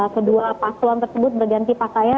kedua paslon tersebut berganti pakaian